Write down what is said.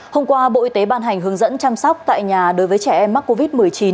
hôm qua bộ y tế ban hành hướng dẫn chăm sóc tại nhà đối với trẻ em mắc covid một mươi chín